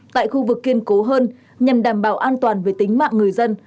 tại khu vực kiên cố hơn nhằm đảm bảo an toàn về tính mạng người dân